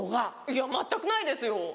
いや全くないですよ